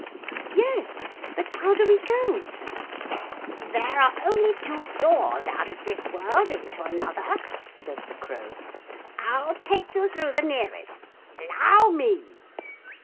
'Yes. But how do we go?' 'There are only two doors out of this world into another,' said the Crow. 'I'll take you through the nearest. Allow me!'